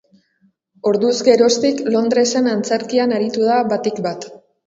Orduz geroztik, Londresen antzerkian aritu da batik bat.